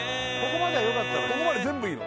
ここまではよかったのよ